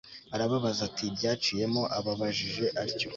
arababaza ati byaciyemo ababajije atyo